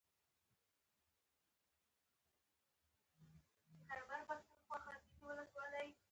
زه پوهېږم چې زه دې ساتنه کولای شم.